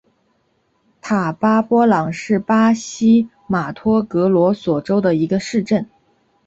塔巴波朗是巴西马托格罗索州的一个市镇。